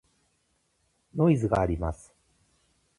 ノイズがあります。